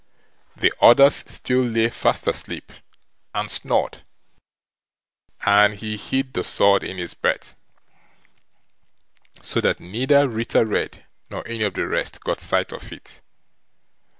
The others still lay fast asleep and snored, and he hid the sword in his berth, so that neither Ritter Red nor any of the rest got sight of it.